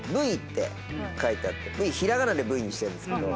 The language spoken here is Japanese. て書いてあって平仮名で「ぶい」にしてるんですけど。